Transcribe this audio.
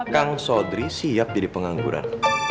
kang sodri siap jadi pengangguran